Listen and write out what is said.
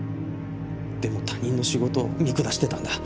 でも他人の仕事を見下してたんだ。